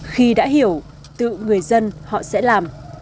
khi đã hiểu tự người dân họ sẽ làm